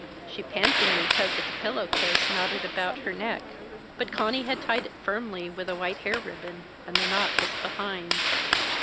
She pantingly tugged at the pillowcase fastened about her neck; but Conny had tied it firmly with a white hair ribbon, and the knot was behind.